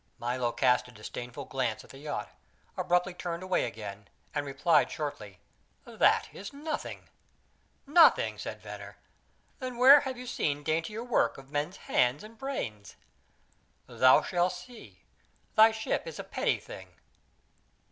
Milo cast a disdainful glance at the yacht, abruptly turned away again, and replied shortly: "That is nothing." "Nothing!" said Venner. "Then where have you seen daintier work of men's hands and brains?" "Thou shall see. Thy ship is a petty thing."